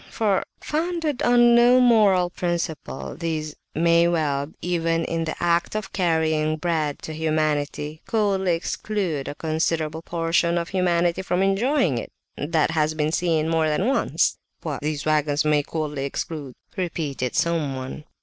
For, founded on no moral principle, these may well, even in the act of carrying bread to humanity, coldly exclude a considerable portion of humanity from enjoying it; that has been seen more than once." "What, these waggons may coldly exclude?" repeated someone.